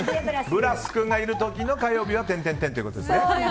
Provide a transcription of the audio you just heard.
ブラス君がいる時の火曜日はということですね。